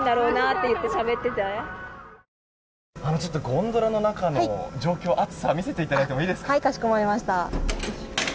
ゴンドラの中の状況暑さを見せていただいてもいいですか。